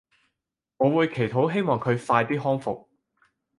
我會祈禱希望佢快啲康復